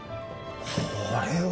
これは！